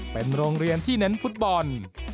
เป็นโรงเรียนที่เน้นฟุตบอล